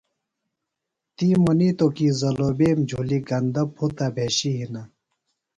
تی منیتو کی زلوبیم جُھلیۡ گندہ پُھتہ بھشیۡ ہینہ۔